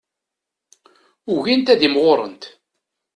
Ugint ad imɣurent.